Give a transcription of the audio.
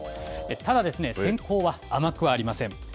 ただ、選考は甘くはありません。